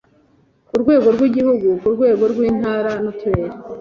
ku rwego rw’igihugu, ku rwego rw’Intara n’Uturere